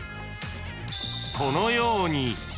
［このように］